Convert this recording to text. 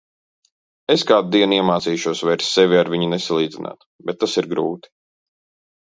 Es kādu dienu iemācīšos vairs sevi ar viņiem nesalīdzināt, bet tas ir grūti.